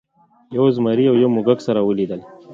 یو زمري او یو موږک سره ولیدل.